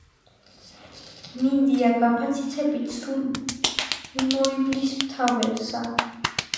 მინდია გაფაციცებით სულ მიმოივლის მთა-ველსა.